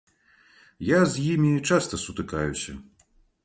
Я з імі часта сутыкаюся.